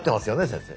先生。